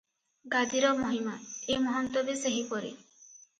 ଗାଦିର ମହିମା - ଏ ମହନ୍ତ ବି ସେହିପରି ।